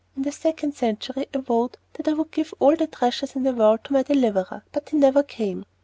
In the second century I vowed that I would give all the treasures in the world to my deliverer; but he never came.